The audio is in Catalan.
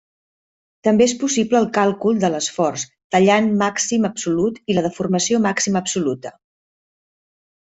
També és possible el càlcul de l'esforç tallant màxim absolut i la deformació màxima absoluta.